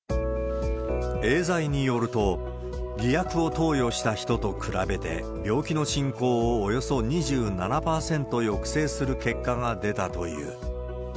エーザイによると、偽薬を投与した人と比べて、病気の進行をおよそ２７％抑制する結果が出たという。